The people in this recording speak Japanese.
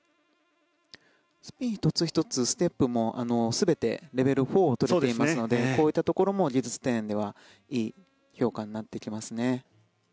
スピン１つ１つステップも全てレベル４を取れていますのでこういったところも技術点ではいい評価になってきますね。